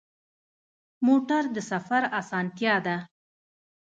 موټر د سفر اسانتیا ده.